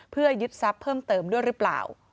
เพื่อยึดทรัพย์เพิ่มเติมด้วยหรือเปล่า